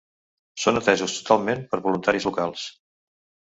Són atesos totalment per voluntaris locals.